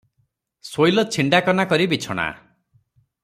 ଶୋଇଲ ଛିଣ୍ଡାକନା କରି ବିଛଣା-- ।